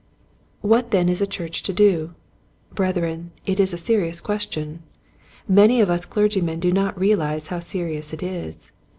What then is a church to do } Breth ren, it is a serious question. Many of us clergymen do not realize how serious it is.